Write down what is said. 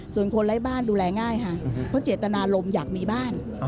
ส่วนคนร้ายบ้านดูแลง่ายเพราะเจตนาลมอยากมีบ้าน